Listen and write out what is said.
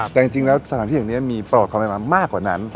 แต่จริงแล้วสถานที่อย่างนี้มีปรอบความแรงมากกว่านั้น